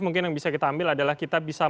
mungkin yang bisa kita ambil adalah kita bisa